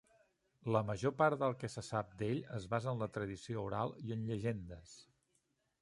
La major part del que se sap d'ell es basa en la tradició oral i en llegendes.